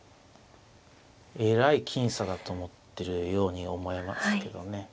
えらい僅差だと思ってるように思えますけどね。